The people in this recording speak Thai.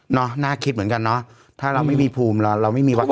น่าคิดเหมือนกันเนาะถ้าเราไม่มีภูมิเราเราไม่มีวัคซีน